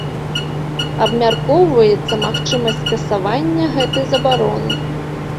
Абмяркоўваецца магчымасць скасавання гэтай забароны.